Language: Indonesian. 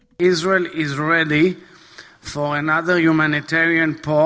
untuk penyelenggaraan humanitaris lainnya